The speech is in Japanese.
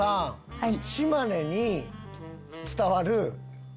はい。